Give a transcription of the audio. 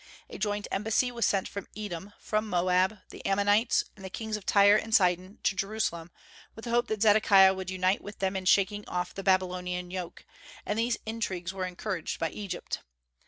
A joint embassy was sent from Edom, from Moab, the Ammonites, and the kings of Tyre and Sidon, to Jerusalem, with the hope that Zedekiah would unite with them in shaking off the Babylonian yoke; and these intrigues were encouraged by Egypt.